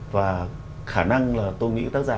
và khả năng là tôi nghĩ tác giả